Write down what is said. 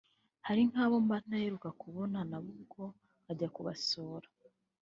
hari nk’abo mba ntaheruka kubona nabo ubwo nkajya kubasura”